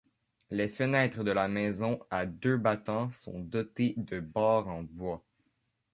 Les fenêtres de la maison à deux battants sont dotées de barres en bois.